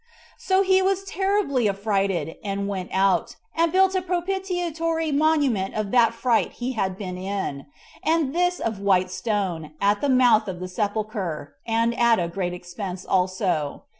So he was terribly affrighted, and went out, and built a propitiatory monument of that fright he had been in; and this of white stone, at the mouth of the sepulcher, and that at great expense also.